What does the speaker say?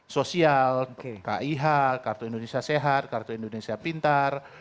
sosial kih kartu indonesia sehat kartu indonesia pintar